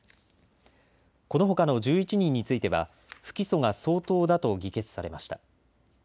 このほかの１１人については不起訴が相当だと議決されました。